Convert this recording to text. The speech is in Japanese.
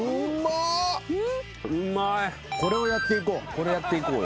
これをやっていこう。